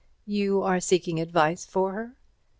"You are seeking advice for her?"